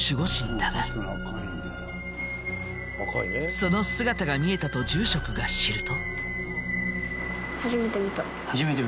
その姿が見えたと住職が知ると。